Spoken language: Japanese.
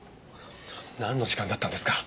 なんの時間だったんですか？